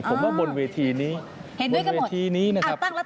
ผมว่าบนเวทีนี้บนเวทีนี้นะครับเห็นด้วยกันหมด